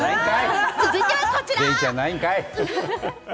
続いてはこちら。